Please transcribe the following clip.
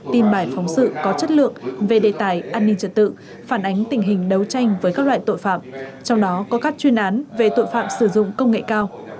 tin bài phóng sự có chất lượng về đề tài an ninh trật tự phản ánh tình hình đấu tranh với các loại tội phạm trong đó có các chuyên án về tội phạm sử dụng công nghệ cao